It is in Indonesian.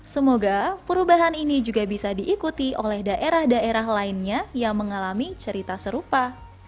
semoga perubahan ini juga bisa diikuti oleh daerah daerah lainnya yang mengalami cerita serupa